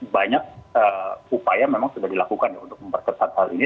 banyak upaya memang sudah dilakukan untuk memperketat hal ini